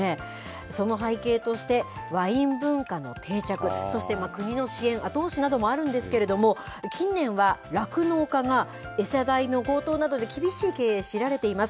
その背景として、ワイン文化の定着、そして国の支援、後押しなどもあるんですけれども、近年は酪農家が餌代の高騰などで厳しい経営、強いられています。